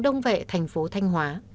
đông vệ thành phố thanh hóa